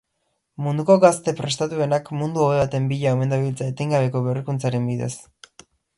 Munduko gazte prestatuenak mundu hobe baten bila omen dabiltza etengabeko berrikuntzaren bidez.